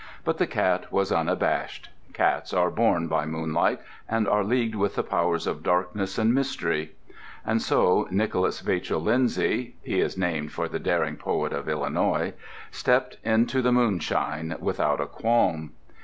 But the cat was unabashed. Cats are born by moonlight and are leagued with the powers of darkness and mystery. And so Nicholas Vachel Lindsay (he is named for the daring poet of Illinois) stepped into the moonshine without a qualm.